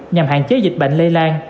nhằm hạn chế dịch bệnh lây lan